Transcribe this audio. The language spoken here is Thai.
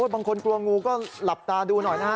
บางคนกลัวงูก็หลับตาดูหน่อยนะฮะ